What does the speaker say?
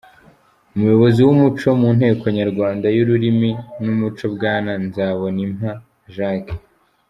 Umuyobozi w’ umuco mu nteko nyarwanda y’ ururimi n’ umuco bwana Nzabonimpa Jacques.